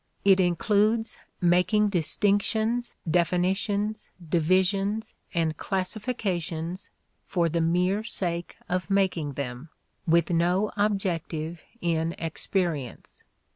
It includes making distinctions, definitions, divisions, and classifications for the mere sake of making them with no objective in experience.